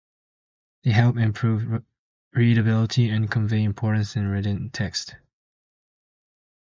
They help improve readability and convey importance in written text.